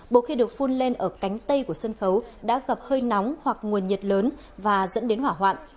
bộ khi được phun lên ở cánh tay của sân khấu đã gặp hơi nóng hoặc nguồn nhiệt lớn và dẫn đến hỏa hoạn